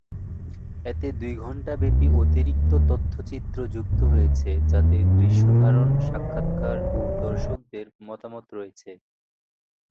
এতে দুই ঘণ্টা ব্যাপী অতিরিক্ত তথ্যচিত্র যুক্ত হয়েছে যাতে দৃশ্যধারণ, সাক্ষাৎকার ও দর্শকদের মতামত রয়েছে।